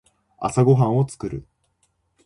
朝ごはんを作る。